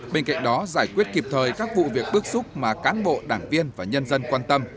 bên cạnh đó giải quyết kịp thời các vụ việc bước xúc mà cán bộ đảng viên và nhân dân quan tâm